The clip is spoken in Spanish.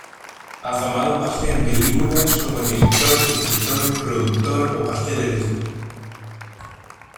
Ha tomado parte en películas como director, escritor, productor o parte del equipo.